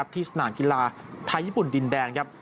ที่สนามกีฬาไทยญี่ปุ่นดินแดงครับ